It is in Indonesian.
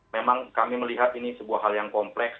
memang kami melihat ini sebuah hal yang kompleks